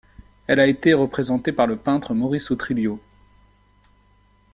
Elle a été représentée par le peintre Maurice Utrillo.